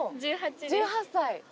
１８歳。